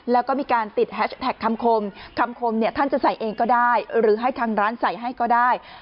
แล้วก็มีการติดแฮชแท็กคำคมคำคมเนี่ยท่านจะใส่เองก็ได้หรือให้ทางร้านใส่ให้ก็ได้